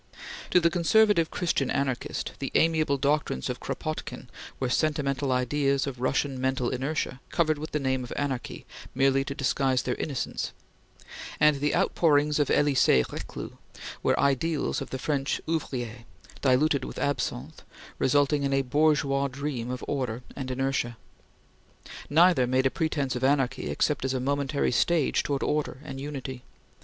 To the conservative Christian anarchist, the amiable doctrines of Kropotkin were sentimental ideas of Russian mental inertia covered with the name of anarchy merely to disguise their innocence; and the outpourings of Elisee Reclus were ideals of the French ouvrier, diluted with absinthe, resulting in a bourgeois dream of order and inertia. Neither made a pretence of anarchy except as a momentary stage towards order and unity.